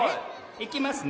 いきますね。